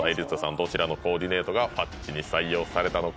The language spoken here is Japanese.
どちらのコーディネートが「ＦＵＤＧＥ」に採用されたのか？